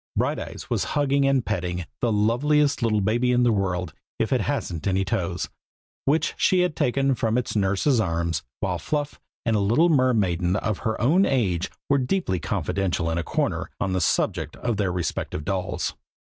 Brighteyes was hugging and petting "the loveliest baby in the world, if it hasn't any toes," which she had taken from its nurse's arms, while Fluff and a little mermaiden of her own age were deeply confidential in a corner, on the subject of their respective dolls.